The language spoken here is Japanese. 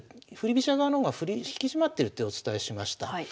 飛車側の方が引き締まってるってお伝えしました。